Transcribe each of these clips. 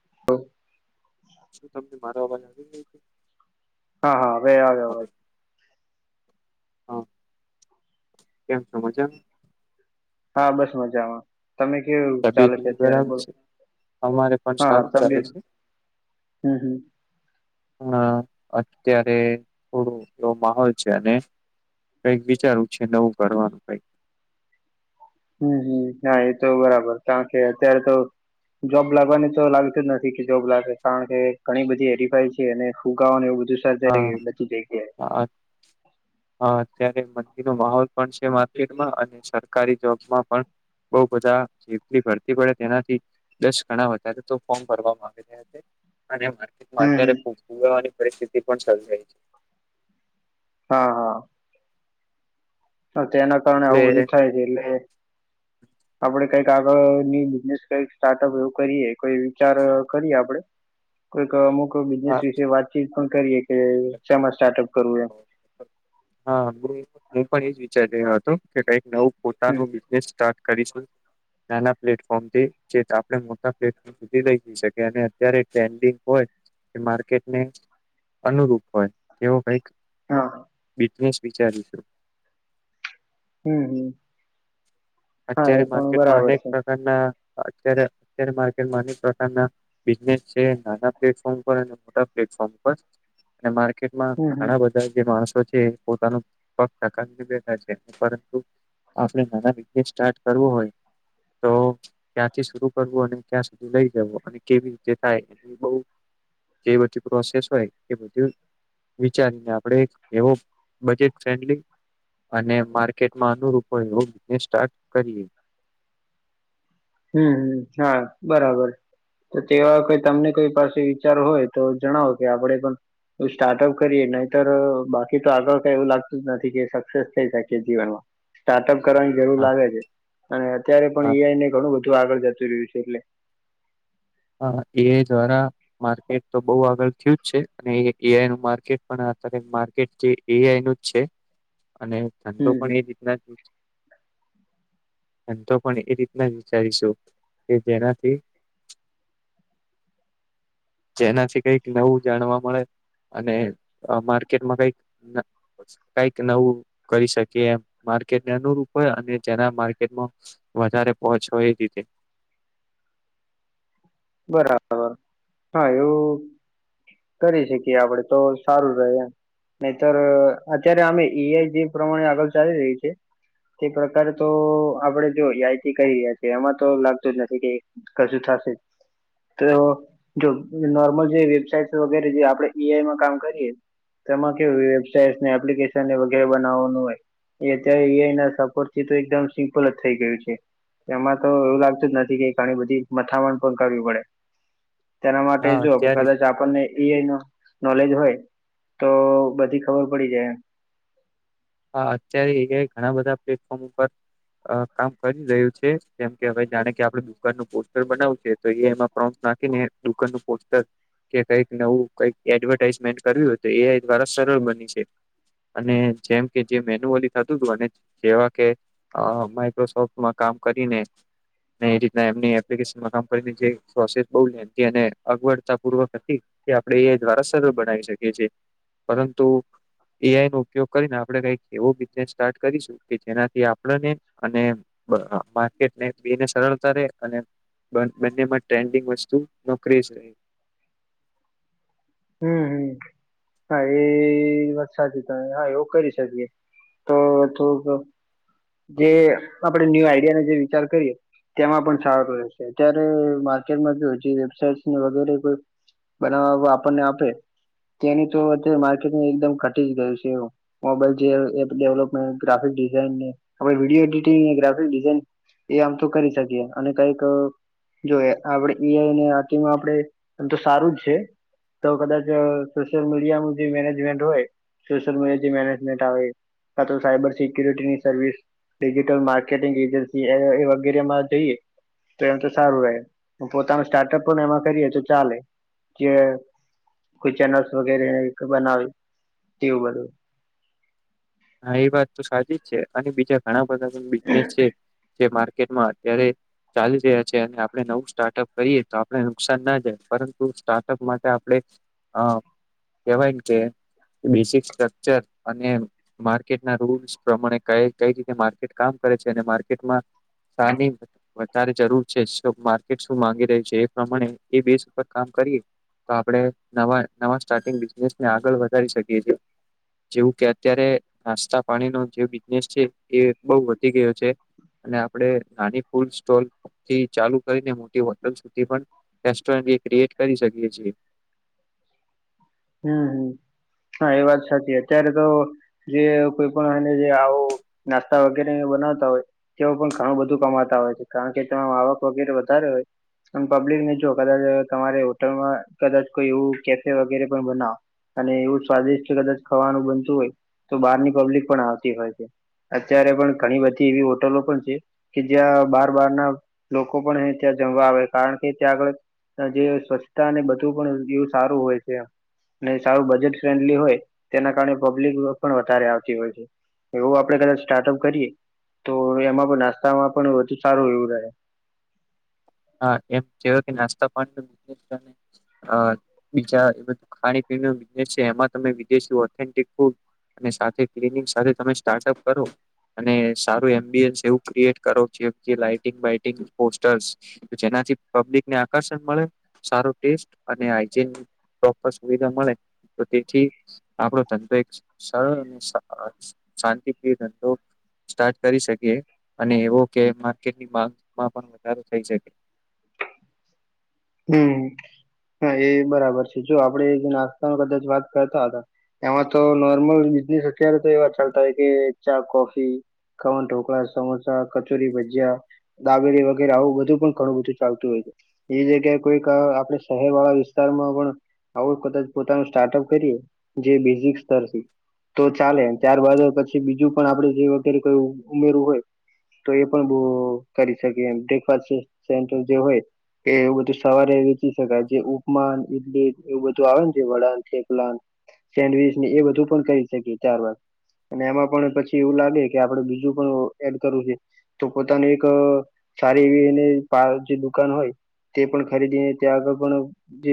[unintelligible] શું તમને મારો અવાજ આવી ગ્યો છે? હા હા બે આવે અવાજ. હા, કેમ સો મજ્યામાં? હા બસ મજામાં. તમે કેવું તબિયત ચાલે છે એવી અત્યારે બરાબર બો, છે? અમારે પણ હા સારું ત ચાલે છે. હમ હમ. હમ, અત્યારે થોડું એવો માહોલ છે અને કઈક વિચારવું છે નવું કરવાનું કઈક. હમ હમ હા એ તો બરાબર કારણ કે અત્યારે તો જોબ લાગવાની તો લાગતું જ નથી કે જોબ લાગે કારણ કે, ઘણી બધી એરીફાઈ છે અને ફુંગાવાને એવું બધું સર્જાઈ હા ગયું બધી જગ્યાએ હ. હ અત્યારે મંદીનો માહોલ પણ છે માર્કેટમાં અને સરકારી જોબમાં પણ બઉ બધાલી ભરતી પડે તેનાથી, દસ ગણા વધારે તો ફોર્મ ભરવામાં આવી અને માર્કેટમાં હમ અત્યારે હમ ફુગાવાની પરિસ્થિતિ પણ સર્જાય છે. હા હા. તેના કારણે એટલે આવું બધું થાય છે એટલે આપડે કઈક આગળની બિઝનેસ કઈક સ્ટાર્ટઅપ એવું કરીએ કોઈ વિચાર કરીએ આપડે. કોઈક અમુક હા બિઝનેસ વિશે વાતચીત પણ કરીએ કે શમાં સ્ટાર્ટઅપ કરવું એ. હા હ હું પણ એજ વિચારી રહ્યો હતો કે કઈક નવું હમ પોતાનું બિઝનેસ સ્ટાર્ટ કરીશું. નાના પ્લેટફોર્મ થી જે આપણે મોટા પ્લેટફોર્મ સુધી લઈ જઈ શકે અને અત્યારે ટ્રેન્ડિંગ હોય, એ માર્કેટને અનુરૂપ હોય, એવો કઈક હા. બીજનેસ વિચારીશું. હમ હમ, હા અત્યારે એ પણ માર્કેટમાં બરાબર અનેક છે. અત્યારે અત્યારે માકેટમાં અનેના બિઝનેસ છે નાના પ્લેટફોર્મ પર અને મોટા પ્લેટફોર્મ પર. અને માર્કેટમાં હમ હમ ઘણા બધા જે માણસો છે પોતાનું પગને બેઠા છે પરંતુ આપણે નાના બિઝનેસ સ્ટાર્ટ કરવો હોય, તો ક્યાંથી શરુ કરવું અને ક્યાં સુધી લઈ જવું અને કેવી રીતે થાય એ બ જે બતી પ્રો શશેષ હોય એ બધી વિચારીને આપડે એવો બજેટ ફ્રેન્ડલી અને માર્કેટમાં અનુરૂપ હો એવ બિને સ્ટાર્ટ કરીએ. હમ હમ હા બરાબર તો તેવા કોય તમને કોઈ પાસે વિચારો હોય તો જણાવો કે આપણે પણ સ્ટાર્ટઅપ કરીએ નહી તોર બાકી તો આગળ કઈ એવું લાગતું જ નથી કે સક્સેસ થઈ શકી જીવનમાં. સ્ટાર્ટઅપ કરવાની જરૂર હા લાગે છે, અને અત્યારે પણ એ હા ઈ આઈને ઘણું બધું આગળ જતું રહ્યું છે એટલે. હ એ દ્વારા માર્કેટ તો બો આગળ થયું જ છે, અને એ આઈ નું માર્કેટ પણ આ માર્કેટ જે એ આઈ નું જ છે, અને ધંધો હમ હમ પણ એ રીતના જ ધંધો પણ એ રીતના વિચારીશું કે જેનાથી જેનાથી કઈક નવું જાણવા મળે અને માર્કેટમાં અ કઈક ન કઈક નવું કરી શકીએ એમ માર્કેટને અનુરૂપ હોય અને જેના માર્કેટમ વધારે પહોચ હોય એ રીતે બરાબર હા એવું કરી શકીએ આપડે તો સારું રેય એમ નહીતર અત્યારે અમે એ આઈ જે પ્રમાણે આગળ ચાલી રહ્યું છે. તે પ્રકાર તો આપડે જો એ આઈથી કરીએ તેમાં તો લાગતું જ નથી કે કશુ થશે તો જો નોર્મલ જે વેબસાઇટ વગેરે જે આપડે એ આઈમાં કામ કરીએ તેમાં કે વેબસાાઈટને એપ્લિકેશન વગેરે બનાવવાનું હોય એ અત્યારે એ આઈ એના સપોર્ટ થી તો એકદમ સિમ્પલ જ થઇ ગયું છે. એમાં તો એવું લાગતું જ નથી કે ઘણી બધી મથામણ પણ કરવી પડે તેના માટે હા જો અત્યારે કદાચ આ આપણને એ આઈ ન નોલેજ હોય તો બધી ખબર પડી જાય હા અત્યારે એ ઘણા બધા પ્લેટફોર્મ ઉપર અ કામ કરી રહ્યું છે, જેમ કે હવે જાણે કે આપડ દુકાનનું પોસ્ટર બનાવું છે. તો એ એમાં પ્રોન્સ નાખીને દુકાનનુ પોસ્ટર કે કંઈક નવું કઈક એડવર્ટાઈઝમેન્ટ કરવી હોય તો એ આઈ દ્વારા સરળ બની છે. અને જેમ કે જે મેન્યુઅલી થતું હતું અને જેવા કે અ માઈક્રોસોફ્ટમાં કામ કરીને એ રીતના એમની એપ્લિકેશનમાં કામ કરીને જે પ્રોસેસ બો તેને અગવડતા પૂર્વક હતી કે આપણે એ દ્વારા સરળ બનાવી શકીએ છીએ. પરંતુ એ આઈ નો ઉપયોગ કરીને આપડે કઈક એવો બિઝને સ્ટાર્ટ કરીશું કે જેનાથી આપણને અને બ માર્કેટને બે ને સરળતા રહેે અને બં બને માં ટ્રેન્ડિંગ વસ્તુ નોકરી જ રહે હમ હમ હા એ વાત સાચી તમે હા એવું કરી શકીએ તો થોક જે આપડે ન્યુ આઈડિયા જે વિચાર કરીએ તેમાં પણ સારું રહેશે અત્યારે માર્કેટમાં જો જે વેબસાઇટ વગેરે કોઈ બનાવા આપણને આપે તેની તો અત્યારે માર્કેટ એકદમ ઘટી જાય છે, એવું mobile [unintelligible] app development graphic design video editing graphic design એ આમ તો કરી શકીએ અને કઈક જોયે આપડે એ આઈ ને તેમાં આપડે આમ તો સારું જ છે. તો કદાચ સોશિયલ મીડિયાનું જે મેનેજમેન્ટ હોય સોશિયલ મીડિયા જે મેનેજમેન્ટ આવે કાતો સાયબર સિક્યુરિટીની સર્વિસ ડિજિટલ માર્કેટિંગ એજન્સી એ એ વગેરેમાં જઈએ તો એમ તો સારું રહે પોતાનું સ્ટાર્ટઅપ પણ એમાં કરીએ તો ચાલે જે કોય ચેનલસ વગેરે બનાવે તેવું બધું હા એ વાત તો સાચી જ છે, અને બીજા ઘણા બધા બિનેસ છે, જે મા કેટમાં અત્યારે ચાલી રહ્યા છે, અને આપણે નવું સ્ટાર્ટઅપ કરીએ તો આપણે નુકસાનના જાય પરંતુ સ્ટાર્ટઅપ માટે આપણે અ કેવાય કે બેસિક સ્ટ્રકચર અને માર્કેટના રૂલ્સ પ્રમાણે કઈ રીતે માર્કેટ કામ કરે છે અને માર્કેટમાં. સાની વધારે જરૂર છે, સુ માર્કેટ શું માંગી રહી છે, એ પ્રમાણે એ બેસ ઉપર કામ કરીએ તો આપણે નવા નવા સ્ટાટીગં બિઝનેસને આગળ વધારી શકીએ છીએ જેવું કે અત્યારે નાસ્તા પાણીનો જે બિઝનેસ છે એ બહ વધી ગયો છે. અને આપે નાની ફૂલ સ્ટોલ. થી ચાલુ કરીને મો હોટલ સુ પણ રો ક્રએટ કરી શકીએ છીએ. હમ હમ હા એ વાત સાચી અત્યારે તો. જે કોઈ પણ એને જે આવું નાસ્તા વગેરે બનાવતા હોય. તેઓ પણ ઘણું બધું કમાતા હોય છે કારણ કે તેમાં આવક વગેરે વધારે હોય. પણ પબ્લિક ને જો કદાચ તમારે હોટલમાં કદાચ કોઈ એવું કેફે વગેરે. બનાવ અને એવું સ્વાદિષ્ટ છે કદાચ ખાવાનું બનતું હોય. તો બહારની પબ્લિક પણ આવતી હોય છે અત્યારે પણ ઘણી બધી એવી હોટલો પણ છે. કે જ્યાં બહાર બહાર ના લોકો પણ ત્યાં જમવા આવે કારણ કે ત્યાં આગળ. જે સ્વચ્છતા અને બધું પણ એવું સારું હોય છે. સારું બજેટ ફ્રેન્ડલી હોય તેના કારણે પબ્લિક પણ વધારે આવતી હોય છે. એવું આપડે કદા સ્ટાર્ટઅપ કરીએ તો એમાં પણ નાસ્તામાં પણ વધુ સારું એવું રહે હા એમ કે નાસ્તા પા બ અ બીજાધું ખાણી પીણી ન બિઝનેસ છે એમાં તમે વિદેશી ઓથેન્ટિક અને સાથે ક્લનંગ સાથે તમે સ્ટાર્ટઅપ કરો. અને સારું એમ્બિયન્સ એવું ક્રિએટ કરો છે લાઈટંગ બાઈટંગ પોસ્ટર્સ. જેનાથી પબ્લિકને આકર્ષણ મળે સાર ટેસ્ટ અને. પ્રોપર સુવિધા મળે તો તેથી. આપણો ધંધો એક સરળ અને શાંતિપ્રિય ધંધો. સ્ટાર્ટ કરી શકીએ અને એવો કે માર્કેટની માંગમાં પણ વધારો થઈ શકે. હમ હા એ બરાબર છે જો આપડે જે નાસ્તા ન કદાચ વાત કરતા હતા. એમાં તો નોર્મલ બિઝનેસ અત્યારે તો એવા ચાલતા હોય કે ચા કોફી. કવન ઢોકળા સમોસા કચોરી ભજયા. દાબેરી વગેરે આવું બધું પણ ઘણું બધું ચાલતું હોય છે એ. કોઈક આપણે શહેર વાળા વિસ્તારમાં પણ. આવો કદાચ પોતાનું સ્ટાર્ટઅપ કરીએ જે બેઝિકર. તો ચાલે ચ્યાર બાજુ પછી બીજું પણ આપડે જે વગેરે કોઈ ઉમેરું હોય તો એ પણ બ કરી શકી એમ બ્રેકફાસ જે હોય એવું બધું સવારે વેચી શકાય જે ઉપમાન ઇડલી એવું બધું આવેને છે વળણેકલાન સેન્ડવીચને એ બધું પણ કરી શકીએ ચાર વાર અને એમાં પણ પછી એવું લાગે કે આપડે બીજું પણ એડ કરવું છે તો પોતાની એક સારી એવી એને જે દુકાન હોય તે પણ ખરીદીને ત્યાં આગળ પણ જે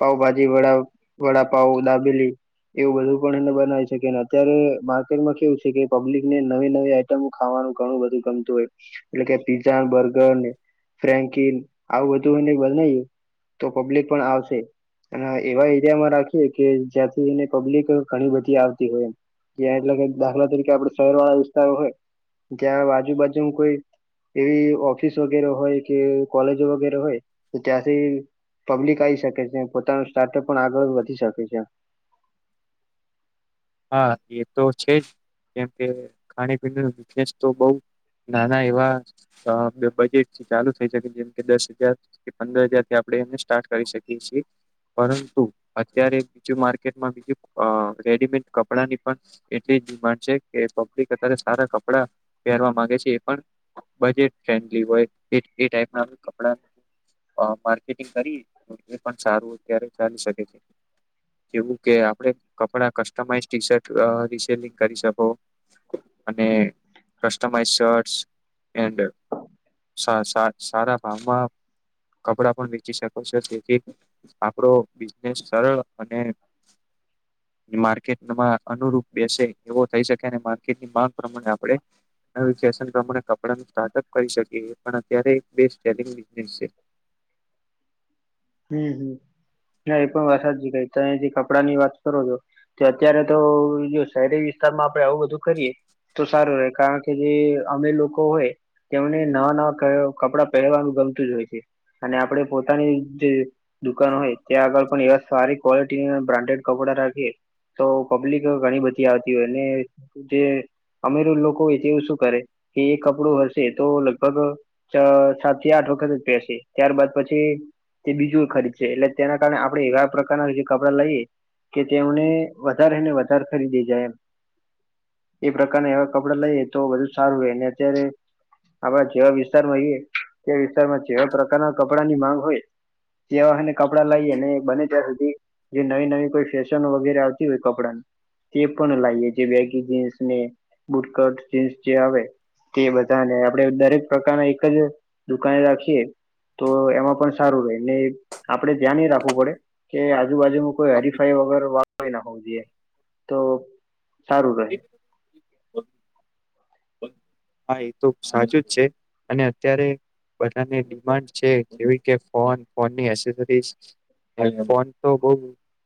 પાઉભાજી વડા વડાપાવ દાબેલી એવું બધું પણ એને બનાવે શકે અત્યારે માર્કેટમાં કેવું છે કે પબ્લિક ને નવી નવી ખાવાનું ઘણું બધું ગમતું હોય એટલે કે પીઝા બર્ગર ને ફન્કિન આવું બધું એને બનાયું તો પબ્લિક પણ આવશે અને એવા એરિયામાં રાખીએ કે જ્યાંથીને પબ્લિક ઘણી બધી આવતી હોય એ ત્યા એટલે દાખલા તરીકે આપડ શહેર વાળા વિસ્તારો હોય જ્યાં આજુબાજુ કોઈ એવી ઓફિસ વગેરે હોય કે કોલેજ વગેરે હોય તો ત્યાંથી પબ્લિક આવી શકે છે પોતાનું સ્ટાર્ટઅપ પણ આગળ વધી શકે છે હા એ તો છે જ કેમ કે ખાણી પીણી ન બઝનેસ તો બઉ નાના એવા બે બજેટથી ચાલુ થઈ શકે જેમ કે દસ હજાર કે પંદર હજાર થી આપડણે એને સ્ટાર્ટ કરી શકીએ છીએ પરંતુ અત્યારે બીજું માર્કેટમાં બીજું આ રેડીમેન્ટ કપડા ની પણ એટલી ડિમાન્ડ છે કે પબ્લિક અત્યારે સારા કપડા પહેરવા માંગે છે એ પણ બજેટ ફ્રેન્ડલી હોય એ એ ટાઈપ ના કપડા માર્કેટિંગ કરી એ પણ સારું અત્યારે ચાલી શકે છે એવું કે આપડે કપડા કસ્ટમાઈઝ ટી શર્ટ રિસેલિંગ કરી શકો અને કસ્ટમાઝ શર્ટ એડ સારા ભાવમાં કપડાં પણ વેચી શકો છ તેથી આપડો બિઝનેસ સરળ અને માર્કેટ તમારા અનુરૂપ બેસે એવો થઈ શકે અને માર્કેટ ની માંગ પ્રમાણે આપણે આ ફેશન પ્રમાણે કપડા ન સ્ટાર્ટઅપ કરી શકીએ પણ અત્યારે એક બેે સ્ટેટિંગ [unintelligible] હમ્મ હમ્મ ના એ પણ વાત જુદા તો અહીં થી કપડાં ની વાત કરો છો. તો અત્યારે તો જો શહેરી વિસ્તારમાં આપડે આવું બધું કરીએ. તો સારું રહે કારણ કે જે અમે લોકો હોય. તેમને નવા નવા ક કપડાં પહેરવાનું ગમતું જ હોય છે અને આપણે પોતાની તે દુકાન હો તે આગળ પણ એવા સારી ક્વલિટી અને બ્રાન્ડેડ કપડા રાખી તો પબ્લિક ઘણી બધી આવતી હોય ને તે અમીર લોકો એ તવો શું કરે કે એ કપડું હશે તો લગભગ સા સાત થી આઠ વખત જ પહેનશે ત્યારબદ પછી તે બીજું ખરીદ સે એટલે તેના કારણે આપણે એવા પ્રકારના જે કપડા લઈએ કે તેમને વધારેને વધારે ખરીદી જાય એમ. એ પ્રકારના એવા કપડાં લઈએ તો બધુ સારું રહે ને અત્યારે આપડા જેવા વિસ્તાર માંરહીએ તે વિસ્તારમાં જેવા પ્રકારના કપડા ની માંગ હોય તેવાને કપડાં લઈએ ને બને ત્યાં સુધી જે નવી નવી કોઈ ફેશન વગેરે આવતી હોય કપડાં ની તે પણ લાવીએ જે વેગી જીન્સ ને બુટકટ જીન્સ જે આવે તે બધા ને આપડે દરેક પ્રકારના એક જ દુકાને રાખીએ તો એમાં પણ સારું રે ને આપડે ધ્યાન એ રાખવું પડે કે આજુબાજુ કોઈ હરીફાઈ વગર વા કોઈ ના હોવું જોઈએ તો સારું રહે. [unintelligible] હા એ તો સાચું જ છે અને અત્યારે બધાની ડિમાન્ડ છે જેવી કે ફોન ફોનની [unintelligible] [unintelligible] ફોન તો બહુ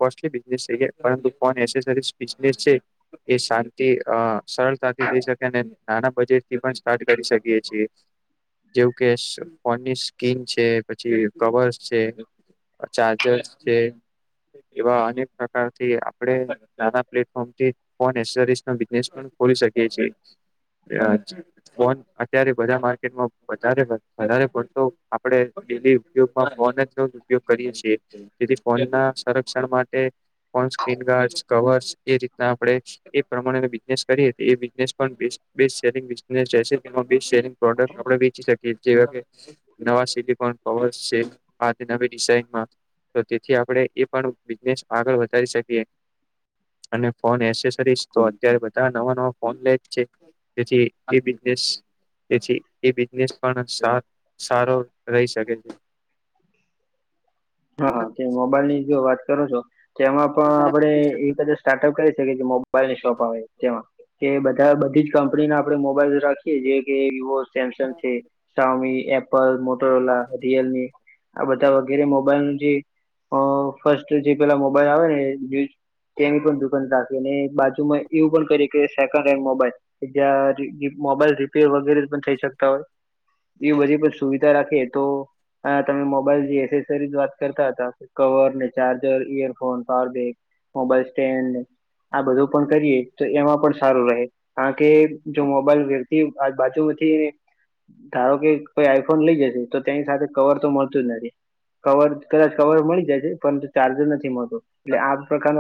કોસ્ટિક બિઝનેસ છે એ પરંતુ ફોન એસેસરીઝ બિઝનેસ છે. એ શાંતિ અ સરળતાથી થઈ શકે અને નાના બજેટ તે મજા સ્ટાર્ટ કરી શકીએ છીએ. જેવું કે સા ફોનની સ્કીન છે પછી કવર્સ છે. આ ચાર્જર્સ છે. એવા અનેક પ્રકારથી આપણે નાના પ્લેટફોર્મથી ફોન એસેસરીઝ ના બિઝનેસ પણ ખોલી શકીએ છીએ ત્યાં જ. ફોન અત્યારે બધા માર્કેટમાં વધારે વા વધારે પડતો આપડે ડેલી ઉપયોગમાં [unintelligible] ઉપયોગ કરીએ છીએ તેથી જ ફોન ના સંક્ષણ માટે ફોન સ્ક્રીન ગાર્ડસ કવર્સ એ રીતના આપણે એ પ્રમાણે બિઝનેસ કરીએ એ બિઝનેસ પણ બે બે [unintelligible] ને [unintelligible] સેલિંગ પ્રોડક આપે વેચી શકીએ જેવા કે નવા સિલી પણ કવર [unintelligible] આ થી નવી ડિઝઇનમાં તો તેથી આપણે એ પણ બિઝનેસ આગળ વધારી શકીએ. અને ફોન એસેસરીઝ તો અત્યારે બધા નવા નવા ફોન લે છે જેથી એ બિજનેસ પછી એ બિઝનેસ પણ સારો સારો રહી શકે છે. હા તે મોબાઈલની જો વાત કરો છો તેમાં પણ આપડે એક હજાર સ્ટાર્ટઅપ કરી શકે કે મોબાઈલની શોપ આવે તેમાં. કે બધા બધી જ કંપની ના આપડે મોબાઈલ રાખીએ જે કે વિવો સેમસંગ છે, સામી એપલ, મોટરોલા, રિયલમી આ બધા વગેરે મો મોબાઈલ ને જે ફસ્ટ જે પેલા મોબાઈલ આવે નેય. તેની પણ દુકાન રાખી, અને બાજુમાં એવું પણ કે સેકન્ડ હેન્ડ મોબાઈલ કે જ્યાં મોબાઈલ રીપેર વગેરે પણ થઈ શકતા હોય. એવી બધી પણ સુવિધા રાખેએ તો આ તમે મોબાઈલ જે એસે તે રીતે વાત કરતા હતા કવર ને charger earphone power bank mobile stand આ બધું પણ કરીએ તો એમાં પણ સારું રહે. કારણ કે જો મોબાઈલ વેરતી આ બાજુ થી ધારો કે કોઈ આઈફોન લઈ જશે તો તેની સાથે કવર તો મળતું જ નથી. કવર કદાચ કવર મળી જાય છે પરંતુ ચાર્જર નથી મળતો એટલે આ પ્રકારનો